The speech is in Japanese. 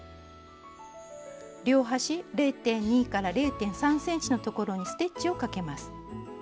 両端０．２０．３ｃｍのところにステッチをかけます。